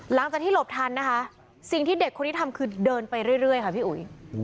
หลังจากที่หลบทันนะคะสิ่งที่เด็กคนนี้ทำคือเดินไปเรื่อยค่ะพี่อุ๋ย